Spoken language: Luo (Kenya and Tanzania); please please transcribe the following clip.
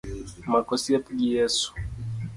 Mak osiep gi Yeso.